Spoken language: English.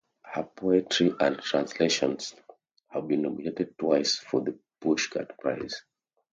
Her poetry and translations have been nominated twice for the Pushcart Prize.